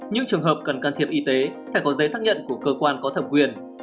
những trường hợp cần can thiệp y tế phải có giấy xác nhận của cơ quan có thẩm quyền